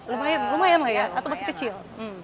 lumayan lumayan lah ya atau masih kecil